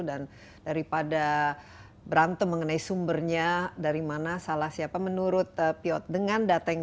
dan daripada berantem mengenai sumbernya dari mana salah siapa menurut piot dengan data yang